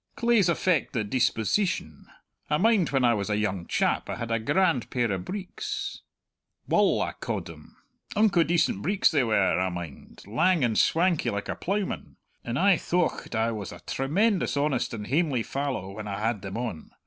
Claes affect the disposeetion. I mind when I was a young chap I had a grand pair o' breeks Wull I ca'ed them unco decent breeks they were, I mind, lang and swankie like a ploughman; and I aye thocht I was a tremendous honest and hamely fallow when I had them on!